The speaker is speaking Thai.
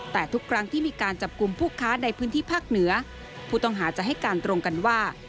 แต่ทุกครั้งที่มีการจับกลุ่มผู้ค้าในพื้นที่ภาคเหนือผู้ต้องหาจะให้การตรงกันว่า